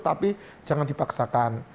tapi jangan dipaksakan